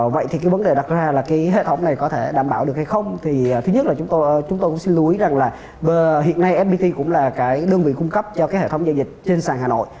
vậy thì cái vấn đề đặt ra là cái hệ thống này có thể đảm bảo được hay không thì thứ nhất là chúng tôi cũng xin lưu ý rằng là hiện nay fbt cũng là cái đơn vị cung cấp cho cái hệ thống giao dịch trên sàn hà nội